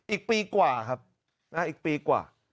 อีกปีกว่าครับอีกปีกว่า